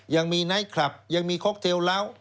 ยังมีนายท์คลับยังมีค็อกเทลแล้ว